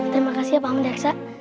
terima kasih ya pak man daksa